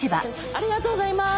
ありがとうございます。